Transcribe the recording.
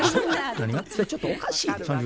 それちょっとおかしいで。